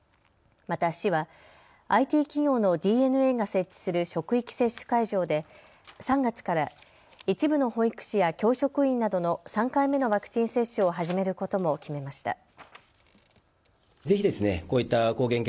また、市はＩＴ企業のＤｅＮＡが設置する職域接種会場で３月から一部の保育士や教職員などの３回目のワクチン接種を始めることも決めました。